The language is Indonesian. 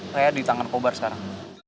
saya di tangan kobar sekarang